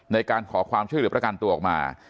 ในการขอความช่วยเหลือประกันตัวออกมา